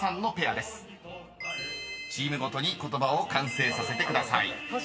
［チームごとに言葉を完成させてください］